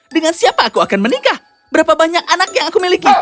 dengan siapa aku akan menikah berapa banyak anak yang aku miliki